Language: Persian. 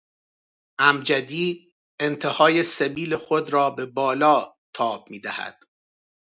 امجدی انتهای سبیل خود را به بالا تاب میدهد.